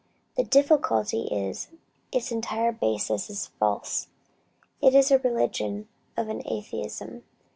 The difficulty is, its entire basis is false. It is a religion of Atheism.